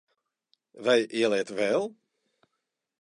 Vai ieliet vēl?